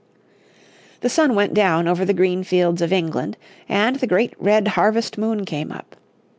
The sun went down over the green fields of England, and the great red harvest moon came up.